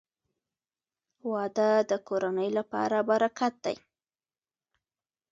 • واده د کورنۍ لپاره برکت دی.